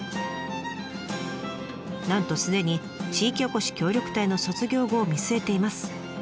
なんとすでに地域おこし協力隊の卒業後を見据えています。